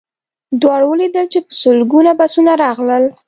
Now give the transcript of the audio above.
دواړو ولیدل چې په لسګونه بسونه راغلل